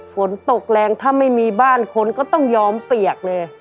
ฝนตกแรงถ้าไม่มีบ้านคนก็ต้องยอมเปียกเลย